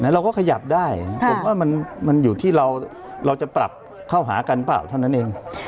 เราก็ขยับได้ผมว่ามันอยู่ที่เราจะปรับเข้าหากันเปล่าเท่านั้นเอง